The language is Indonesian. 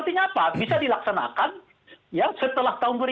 tidak perlu khawatir